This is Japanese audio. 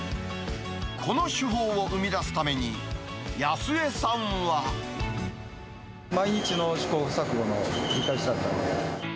この手法を生み出すために、毎日の試行錯誤の繰り返しだったんで。